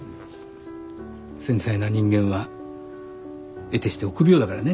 繊細な人間はえてして臆病だからね。